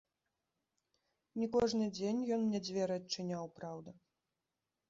Не кожны дзень ён мне дзверы адчыняў, праўда.